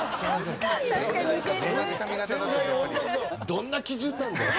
どんな基準なんだよ。